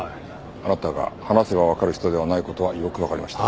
あなたが話せばわかる人ではない事はよくわかりました。